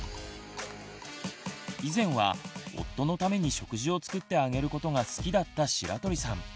以前は夫のために食事を作ってあげることが好きだった白鳥さん。